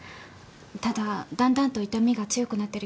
ただだんだんと痛みが強くなってる気がします。